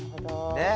ねっ。